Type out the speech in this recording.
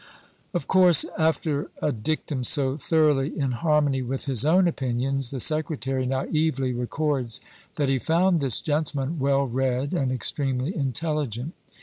Of course, after a dictum so thoroughly in har mony with his ov^n opinions, the Secretary naively records that he found this gentleman "well read and extremely intelligent."